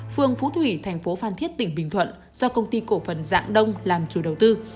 phường phú thủy thành phố phan thiết tỉnh bình thuận do công ty cổ phần dạng đông làm chủ đầu tư